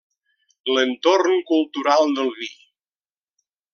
L'entorn cultural del vi.